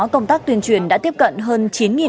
công tác tuyên truyền đã tiếp cận hơn